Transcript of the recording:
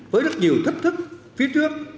với rất nhiều thách thức phía trước